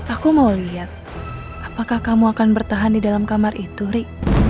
aku mau lihat apakah kamu akan bertahan di dalam kamar itu ri